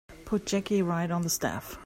Put Jackie right on the staff.